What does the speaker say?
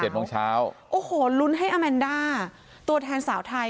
โมงเช้าโอ้โหลุ้นให้อาแมนด้าตัวแทนสาวไทย